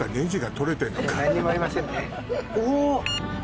何にもありませんね。